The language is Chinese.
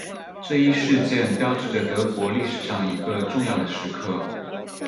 这一事件标志着德国历史上一个重要的时刻。